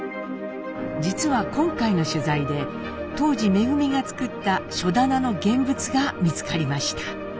実は今回の取材で当時恩が作った書棚の現物が見つかりました。